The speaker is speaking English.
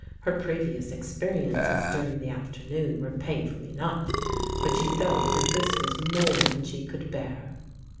Her previous ex periences during the afternoon were painful enough, but she felt that this was more than she could bear.